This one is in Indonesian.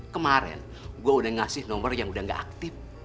kemarin gue udah ngasih nomor yang udah gak aktif